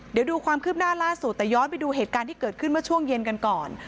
เดี๋ยวดูความคืบหน้าล่าสุดแต่ย้อนไปดูเหตุการณ์ที่เกิดขึ้นเมื่อช่วงเย็นกันก่อน